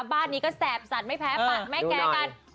บ้านนี้ก็แสบสัดไม่แพ้ไม่แกะกันดูหน่อย